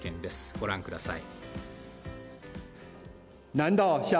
ご覧ください。